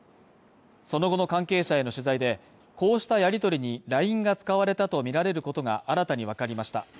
その後の関係者への取材で、こうしたやり取りにＬＩＮＥが使われたとみられることが新たにわかりました。